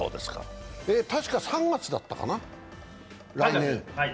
たしか３月だったかな、来年。